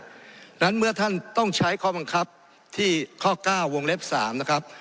เพราะฉะนั้นเมื่อท่านต้องใช้ข้อบังคับที่ข้อ๙วงเล็บ๓นะครับ